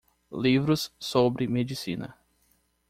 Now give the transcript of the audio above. Livros sobre medicina.